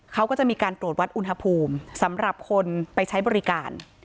เขาก็จะมีการตรวจวัดอุณหภูมิสำหรับคนไปใช้บริการ